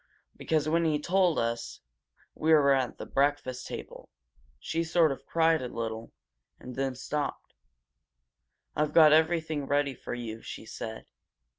Because when he told us we were at the breakfast table she sort of cried a little, and then she stopped. "I've got everything ready for you,' she said.